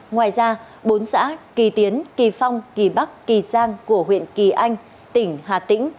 ngoài ra bốn xã kỳ tiến kỳ phong kỳ bắc kỳ giang của huyện kỳ anh tỉnh hà tĩnh